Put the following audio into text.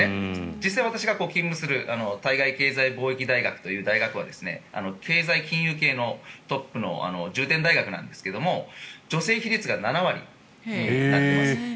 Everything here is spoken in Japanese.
実際、私が勤務する対外経済貿易大学という大学は経済・金融系のトップの重点大学なんですが女性比率が７割になってます。